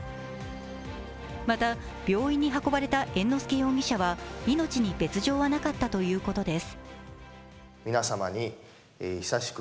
また、病院に運ばれた猿之助容疑者は命に別状はなかったということです。